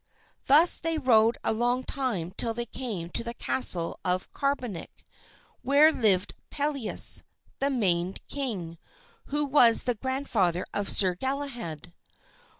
Thus they rode a long time till they came to the castle of Carbonek, where lived Pelleas, the maimed king, who was the grandfather of Sir Galahad.